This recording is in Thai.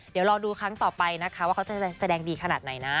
เดี๋ยวรอดูครั้งต่อไปนะคะว่าเขาจะแสดงดีขนาดไหนนะ